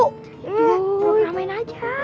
program main aja